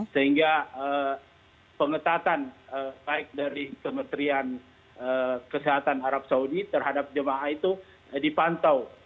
sehingga pengetatan baik dari kementerian kesehatan arab saudi terhadap jemaah itu dipantau